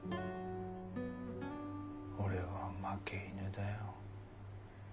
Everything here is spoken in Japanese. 「俺は負け犬だよ」